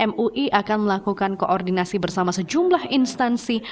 mui akan melakukan koordinasi bersama sejumlah instansi